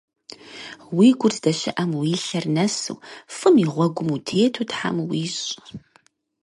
Уи гур здэщыӏэм уи лъэр нэсу, фӏым и гъуэгум утету Тхьэм уищӏ!